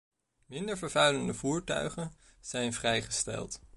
Minder vervuilende voertuigen zijn vrijgesteld.